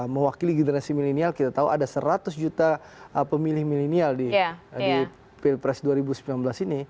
mewakili generasi milenial kita tahu ada seratus juta pemilih milenial di pilpres dua ribu sembilan belas ini